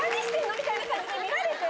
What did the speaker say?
みたいな感じで見られて。